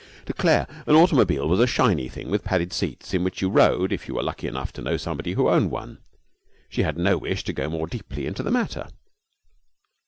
To Claire an automobile was a shiny thing with padded seats, in which you rode if you were lucky enough to know somebody who owned one. She had no wish to go more deeply into the matter.